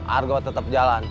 argo tetap jalan